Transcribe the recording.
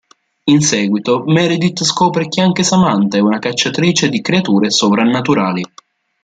In seguito, Meredith scopre che anche Samantha è una cacciatrice di creature sovrannaturali.